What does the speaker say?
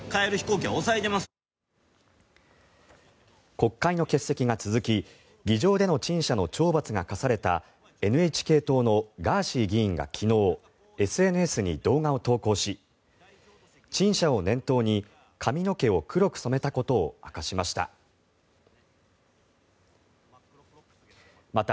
国会の欠席が続き議場での陳謝の懲罰が科されたＮＨＫ党のガーシー議員が昨日ＳＮＳに動画を投稿し陳謝を念頭に髪の毛を黒く染めたことを明かしました。